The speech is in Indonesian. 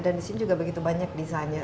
dan di sini juga begitu banyak desain